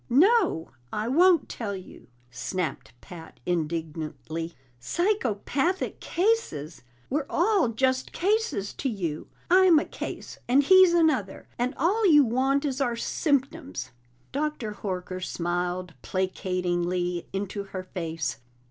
"No, I won't tell you!" snapped Pat indignantly. "Psychopathic cases! We're all just cases to you. I'm a case and he's another, and all you want is our symptoms!" Doctor Horker smiled placatingly into her face.